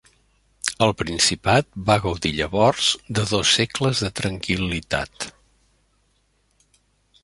El principat va gaudir llavors de dos segles de tranquil·litat.